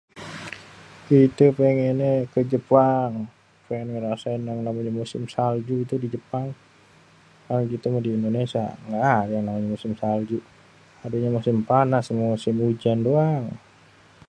kitè pengènnyè kejepang pengèn ngerasain yang namènyè musim salju itu di jepang kalo kitè mèh di indonesia gaadè yang namnyè musim salju adènyè musim panas amè musim ujan doang